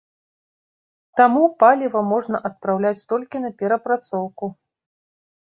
Таму паліва можна адпраўляць толькі на перапрацоўку.